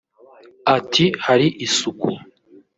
Ati “Hari isuku